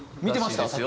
見てました。